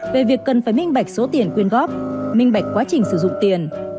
về việc cần phải minh bạch số tiền quyên góp minh bạch quá trình sử dụng tiền